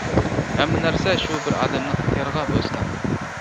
ھەممە نەرسە شۇ بىر ئادەمنىڭ ئىختىيارىغا بوي سۇناتتى.